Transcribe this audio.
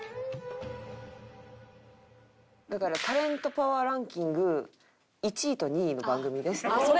だから「タレントパワーランキング１位と２位の番組です」って。